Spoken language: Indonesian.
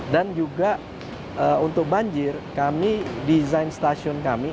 dan juga untuk banjir kami desain stasiun kami